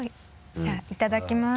じゃあいただきます。